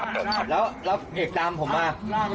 แล้วเด็กตามผมมา